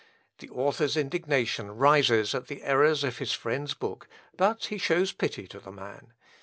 The author's indignation rises at the errors of his friend's book, but he shows pity to the man.